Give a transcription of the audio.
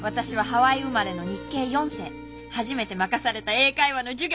初めて任された英会話の授業。